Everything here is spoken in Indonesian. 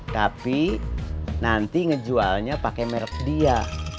tapi nanti ngejualnya pakai merek dia